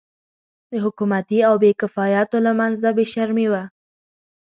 د حکومتي او بې کفایتو له منځه بې شرمي وه.